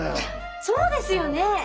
そうですよねえ！